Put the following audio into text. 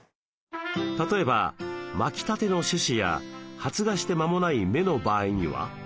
例えばまきたての種子や発芽して間もない芽の場合には？